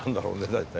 大体。